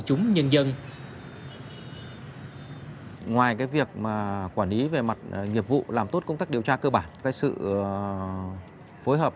chúng nhân dân ngoài việc quản lý về mặt nghiệp vụ làm tốt công tác điều tra cơ bản sự phối hợp